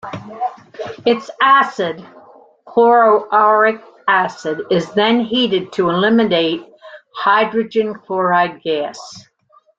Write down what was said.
Its acid, chloroauric acid, is then heated to eliminate hydrogen chloride gas.